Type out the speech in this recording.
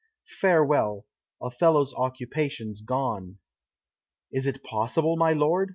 Farewell! Othello's occupation's gone." "Is it possible, my lord?"